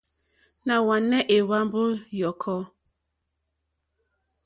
Nà hwànè èhwambo yɔ̀kɔ.